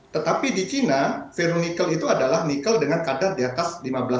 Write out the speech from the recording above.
tetapi di china veronical itu adalah nikel dengan kadar di atas lima belas